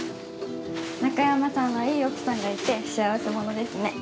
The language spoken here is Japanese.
中山さんはいい奥さんがいて幸せ者ですね。